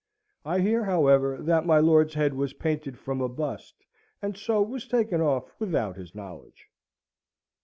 I hear, however, that my lord's head was painted from a bust, and so was taken off without his knowledge.